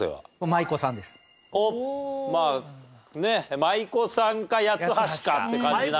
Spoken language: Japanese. まあねえ舞妓さんか八ツ橋かって感じなのかな。